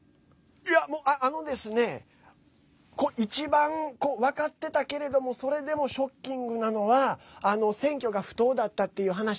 あのですね一番、分かってたけれどもそれでもショッキングなのは選挙が不当だったっていう話。